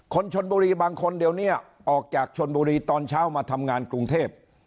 คนชนบุรีบางคนเดี๋ยวนี้ออกจากชนบุรีตอนเช้ามาทำงานกรุงเทพ